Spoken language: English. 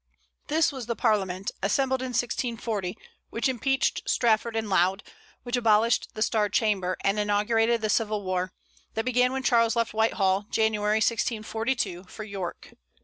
This was the Parliament, assembled in 1640, which impeached Strafford and Laud, which abolished the Star Chamber, and inaugurated the civil war, that began when Charles left Whitehall, January, 1642, for York.